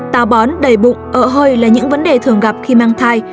táo bón đầy bụng ợ hôi là những vấn đề thường gặp khi mang thai